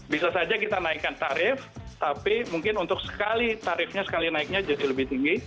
bisa saja kita naikkan tarif tapi mungkin untuk sekali tarifnya sekali naiknya jadi lebih tinggi